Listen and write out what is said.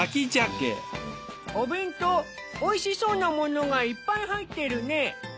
お弁当おいしそうなものがいっぱい入ってるね。